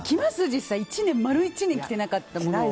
実際、丸１年着てなかったもの。